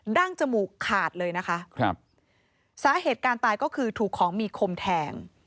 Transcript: ั้งจมูกขาดเลยนะคะครับสาเหตุการตายก็คือถูกของมีคมแทง